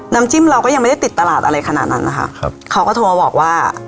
จิ้มเราก็ยังไม่ได้ติดตลาดอะไรขนาดนั้นนะคะครับเขาก็โทรมาบอกว่า